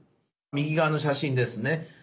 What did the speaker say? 右側の写真ですね。